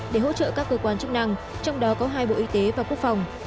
để hỗ trợ các cơ quan chức năng trong đó có hai bộ y tế và quốc phòng